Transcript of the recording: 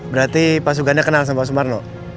berarti pak sugande kenal sama pak sumarno